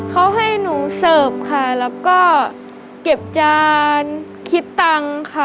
เขาให้หนูเสิร์ฟค่ะแล้วก็เก็บจานคิดตังค์ค่ะ